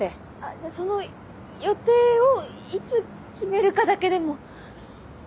じゃあその予定をいつ決めるかだけでも。